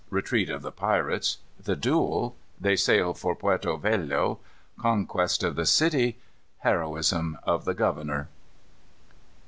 Retreat of the Pirates. The Duel. They Sail for Puerto Velo. Conquest of the City. Heroism of the Governor.